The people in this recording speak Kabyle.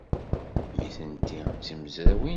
Nitenti d timezrawin kan.